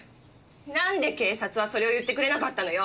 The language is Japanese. なんで警察はそれを言ってくれなかったのよ！